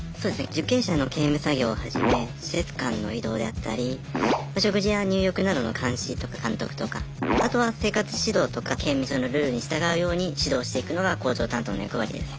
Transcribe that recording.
受刑者の刑務作業はじめ施設間の移動であったり食事や入浴などの監視とか監督とかあとは生活指導とか刑務所のルールに従うように指導していくのが工場担当の役割です。